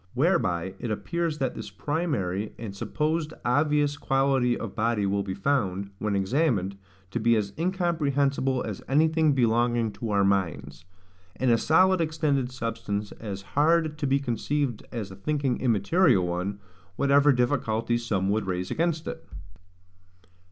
Whereby it appears that this primary and supposed obvious quality of body will be found, when examined, to be as incomprehensible as anything belonging to our minds, and a solid extended substance as hard to be conceived as a thinking immaterial one, whatever difficulties some would raise against it.